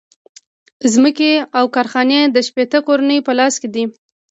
ځمکې او کارخانې د شپیته کورنیو په لاس کې دي